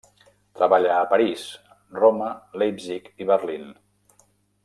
Treballà a París, Roma, Leipzig i Berlín.